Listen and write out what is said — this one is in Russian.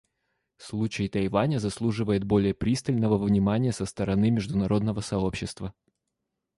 Случай Тайваня заслуживает более пристального внимания со стороны международного сообщества.